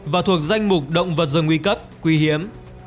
và thuộc danh mục động vật rừng nguy cấp quý hiếm